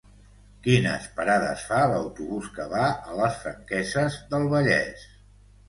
Quines parades fa l'autobús que va a les Franqueses del Vallès?